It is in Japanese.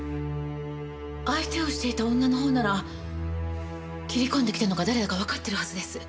相手をしていた女のほうなら斬り込んできたのが誰だかわかってるはずです。